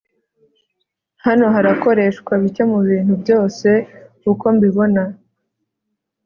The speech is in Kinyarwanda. Hano harakoreshwa bike mubintu byose uko mbibona